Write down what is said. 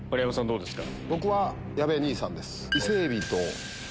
どうですか？